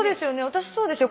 私そうですよ。